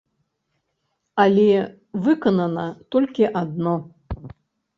Але выканана толькі адно.